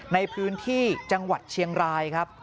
ในพื้นที่จังหวัดเชียงรายครับ